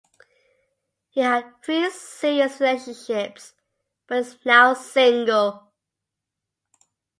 He had three serious relationships, but is now single.